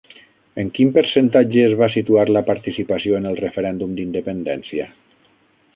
En quin percentatge es va situar la participació en el referèndum d'independència?